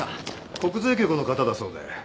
国税局の方だそうで。